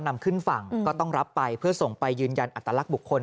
นำขึ้นฝั่งก็ต้องรับไปเพื่อส่งไปยืนยันอัตลักษณ์บุคคล